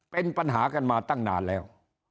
เป็นปัญหากันมาตั้งนานแล้ว